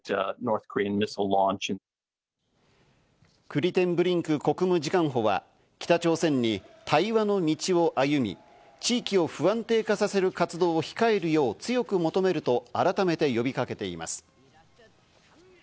クリテンブリンク国務次官補は北朝鮮に対話の道を歩み、地域を不安定化させる活動を控えるよう強く求めると改めて呼びかけています。